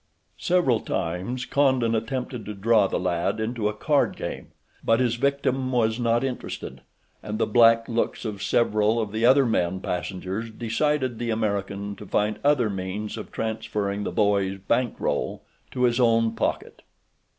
Several times Condon attempted to draw the lad into a card game; but his victim was not interested, and the black looks of several of the other men passengers decided the American to find other means of transferring the boy's bank roll to his own pocket.